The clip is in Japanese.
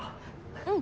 うん。